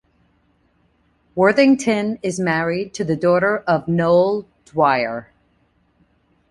Worthington is married to the daughter of Noel Dwyer.